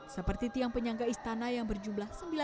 seperti tiang penyangga istana yang berjumlah sembilan puluh